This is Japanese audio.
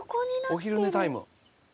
お昼寝タイム。